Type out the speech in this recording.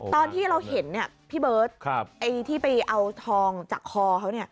ตอนที่เราเห็นพี่เบิร์ตที่ไปเอาทองจากคอเขา